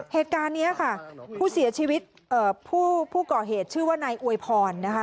เหตุการณ์นี้ค่ะผู้เสียชีวิตผู้ก่อเหตุชื่อว่านายอวยพรนะคะ